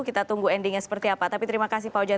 kita tunggu endingnya seperti apa tapi terima kasih pak ujang